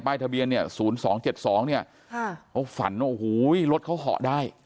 ทะเบียนเนี่ย๐๒๗๒เนี่ยเขาฝันว่าโอ้โหรถเขาเหาะได้